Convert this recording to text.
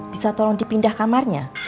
bisa tolong dipindah kamarnya